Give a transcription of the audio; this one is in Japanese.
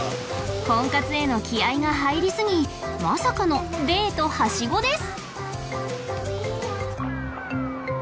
婚活への気合が入りすぎまさかのデートはしごです